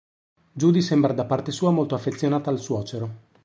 Judy sembra da parte sua molto affezionata al suocero.